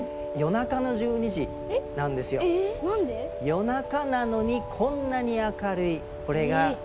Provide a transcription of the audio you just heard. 夜中なのにこんなに明るいこれが白夜。